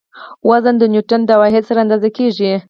وزن د نیوټڼ د واحد سره اندازه کیږي.